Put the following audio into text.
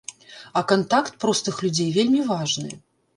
А кантакт простых людзей вельмі важны.